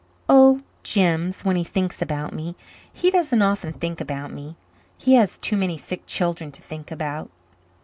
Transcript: "Oh, Jims, when he thinks about me. He doesn't often think about me. He has too many sick children to think about.